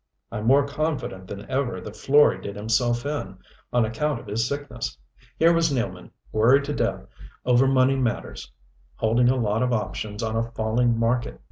"I'm more confident than ever that Florey did himself in, on account of his sickness. Here was Nealman, worried to death over money matters, holding a lot of options on a falling market.